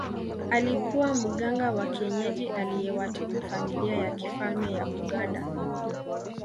Alikuwa mganga wa kienyeji aliyewatibu familia ya kifalme ya Buganda